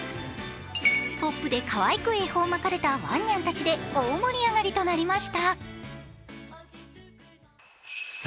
ポップでかわいく恵方巻かれたわんにゃんたちで大盛り上がりとなりました。